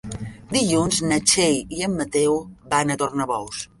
Dilluns na Txell i en Mateu van a Tornabous.